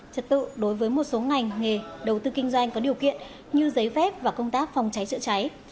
trật tự đối với một số ngành nghề đầu tư kinh doanh có điều kiện như giấy phép và công tác phòng cháy chữa cháy